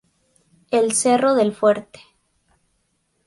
El Cerro del Fuerte.